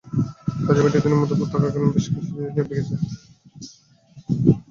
কাজের মেয়েটি তিনি মধুপুর থাকাকালীন বেশ কিছু জিনিসপত্র নিয়ে ভেগে গেছে।